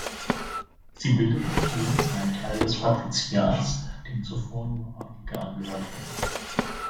Sie bildeten nun einen Teil des Patriziats, dem zuvor nur Adlige angehört hatten.